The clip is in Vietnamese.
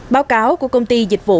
báo cáo của công ty dịch vụ